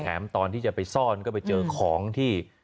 ตอนที่จะไปซ่อนก็ไปเจอของที่